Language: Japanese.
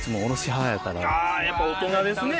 あー、やっぱ大人ですね。